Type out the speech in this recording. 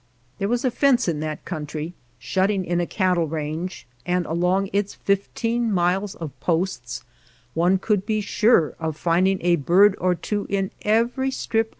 There was a fence in that country shutting in a cattle range, and along its fifteen miles of posts one could be sure of finding a bird or two in every strip of 15 |i /^